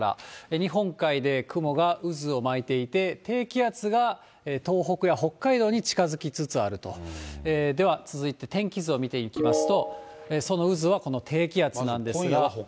日本海で雲が渦を巻いていて、低気圧が東北や北海道に近づきつつあると、では、続いて天気図を見ていきますと、その渦はこの低気圧なんですが。